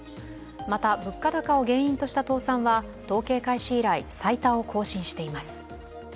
また、物価高を原因とした倒産は統計開始以来最多を更新しています。